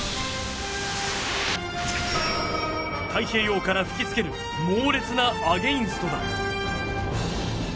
太平洋から吹きつける猛烈なアゲンストだ。